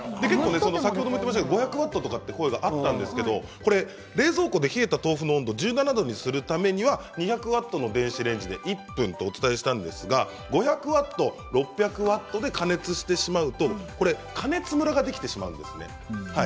５００ワットとかという声があったんですが冷蔵庫で冷えた豆腐の温度１７度にするためには２００ワットの電子レンジで１分とお伝えしたんですが５００ワット、６００ワットで加熱してしまうと加熱ムラができてしまうんですね。